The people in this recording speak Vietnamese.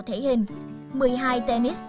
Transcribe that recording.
thể hình một mươi hai tennis